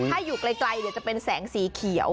ถ้าอยู่ไกลจะเป็นแสงสีเขียว